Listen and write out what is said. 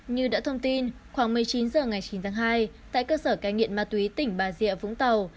như đã thông tin khoảng một mươi chín h ngày chín tháng hai tại cơ sở cai nghiện ma túy tỉnh bà rịa vũng tàu